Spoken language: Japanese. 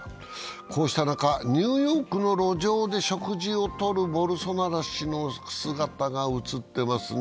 こうした中、ニューヨークの路上で食事をとるボルソナロ氏の姿が写ってますね。